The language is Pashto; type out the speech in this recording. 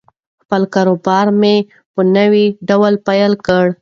خپل کاروبار مې په نوي ډول پیل کړ.